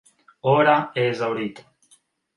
Ora è esaurito.